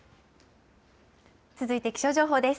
続いて気象情報です。